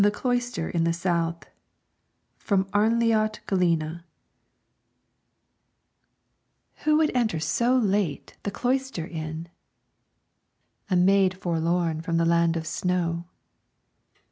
THE CLOISTER IN THE SOUTH From 'Arnljot Gelline' "Who would enter so late the cloister in?" "A maid forlorn from the land of snow."